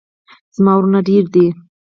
زما ورونه ډیر دي